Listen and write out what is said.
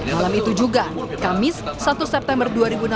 malam itu juga kamis satu september dua ribu enam belas